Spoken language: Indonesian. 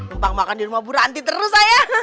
empang makan di rumah bu ranti terus saya